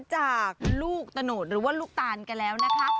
จากลูกตะโนดหรือว่าลูกตานกันแล้วนะคะ